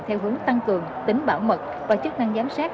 theo hướng tăng cường tính bảo mật và chức năng giám sát